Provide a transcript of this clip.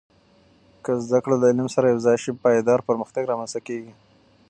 که زده کړه له عمل سره یوځای شي، پایدار پرمختګ رامنځته کېږي.